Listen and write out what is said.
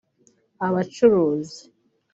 abacuruzi